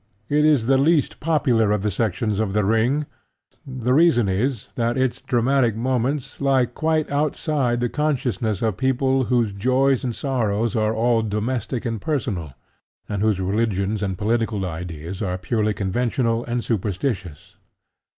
It is the least popular of the sections of The Ring. The reason is that its dramatic moments lie quite outside the consciousness of people whose joys and sorrows are all domestic and personal, and whose religions and political ideas are purely conventional and superstitious.